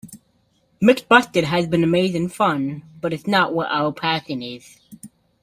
McBusted has been amazing fun, but it's not where our passion is.